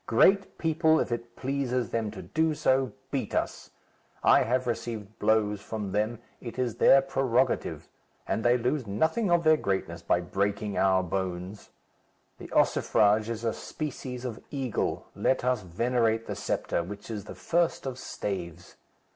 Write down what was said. Great people, if it pleases them to do so, beat us. I have received blows from them. It is their prerogative; and they lose nothing of their greatness by breaking our bones. The ossifrage is a species of eagle. Let us venerate the sceptre, which is the first of staves.